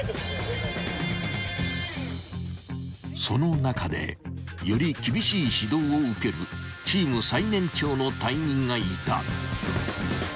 ［その中でより厳しい指導を受けるチーム最年長の隊員がいた］